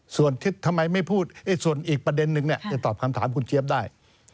ส่วนที่ทำไมไม่พูดส่วนอีกประเด็นนึงจะตอบคำถามคุณเจี๊ยบได้